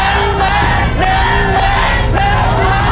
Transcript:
เนี๊ยะหมดเนี๊ยะหมดเนี๊ยะหมด